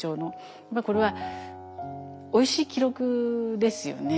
これはおいしい記録ですよね。